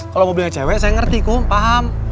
kalau mobilnya cewek saya ngerti kok paham